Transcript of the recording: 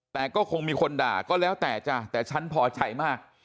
แต่ก็คงมีคนด่าก็แล้วแต่จ้ะแต่ฉันพอใจมาก